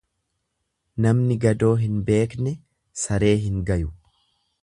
Namni gadoo hin beekne saree hin gayu.